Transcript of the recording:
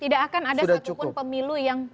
tidak akan ada satupun pemilu yang